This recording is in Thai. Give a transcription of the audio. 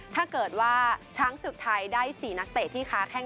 ถ้าเกิดว่าช้างศึกไทยได้๔นักเตะที่ค้าแข้ง